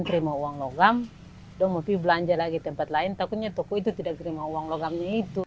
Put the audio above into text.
terima uang logam lopi belanja lagi tempat lain takutnya toko itu tidak terima uang logamnya itu